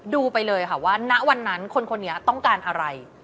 ดูไปเลยค่ะว่าณวันนั้นคนนี้ต้องการอะไร